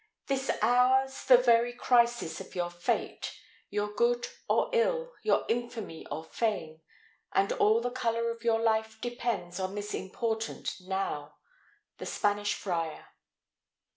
This hour's the very crisis of your fate: Your good or ill, your infamy or fame, And all the colour of your life depends On this important now. The Spanish Friar.